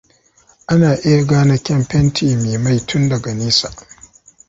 Ana iya gane kyan fanti me mai tun daga nesa.